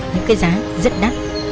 những cái giá rất đắt